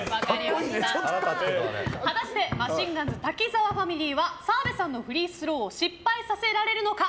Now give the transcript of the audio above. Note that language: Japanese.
果たしてマシンガンズ滝沢ファミリーは澤部さんのフリースローを失敗させられるのか。